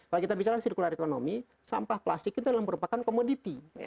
kalau kita bicara circular economy sampah plastik itu adalah merupakan komoditi